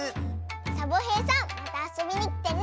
サボへいさんまたあそびにきてね！